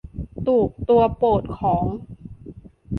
ตูบตัวโปรดของ